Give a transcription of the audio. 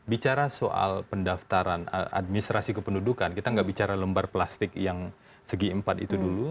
bicara soal pendaftaran administrasi kependudukan kita nggak bicara lembar plastik yang segi empat itu dulu